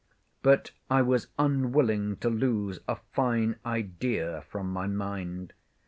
But I was unwilling to lose a fine idea from my mind.